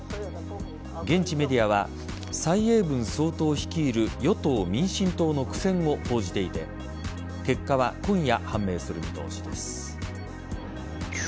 現地メディアは蔡英文総統率いる与党・民進党の苦戦を報じていて結果は今夜判明する見通しです。